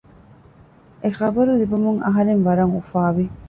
އެ ޚަބަރު ލިބުމުން އަހަރެން ވަރަށް އުފާވި